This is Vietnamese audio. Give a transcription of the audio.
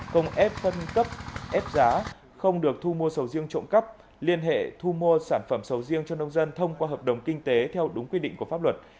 không ép phân cấp ép giá không được thu mua sầu riêng trộm cắp liên hệ thu mua sản phẩm sầu riêng cho nông dân thông qua hợp đồng kinh tế theo đúng quy định của pháp luật